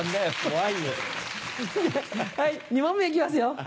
はい２問目行きますよ。